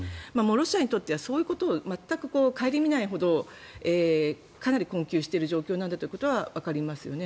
ロシアにとってはそういうことを全く顧みないほどかなり困窮している状況なんだということはわかりますよね。